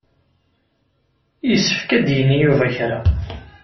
Yessefk ad d-yini Yuba kra.